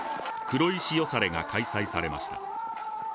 黒石よされが開催されました。